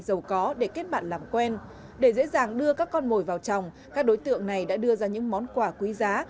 giàu có để kết bạn làm quen để dễ dàng đưa các con mồi vào trong các đối tượng này đã đưa ra những món quà quý giá